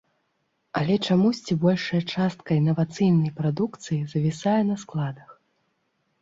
Але чамусьці большая частка інавацыйнай прадукцыі завісае на складах.